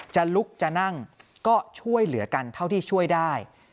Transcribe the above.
จะลุกจะนั่งก็ช่วยเหลือกันเท่าที่ช่วยได้